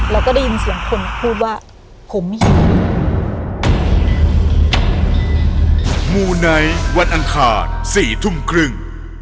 แล้วก็ได้ยินเสียงคนพูดว่าผมไม่ยิน